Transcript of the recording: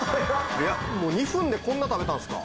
もう２分でこんな食べたんですか？